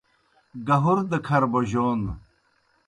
گہُر دہ کھرہ بوجون